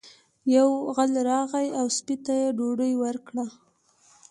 یو غل راغی او سپي ته یې ډوډۍ ورکړه.